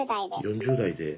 ４０代で。